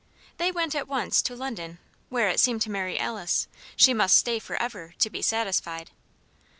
They went at once to London where, it seemed to Mary Alice, she must stay forever, to be satisfied.